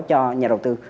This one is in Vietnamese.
cho nhà đầu tư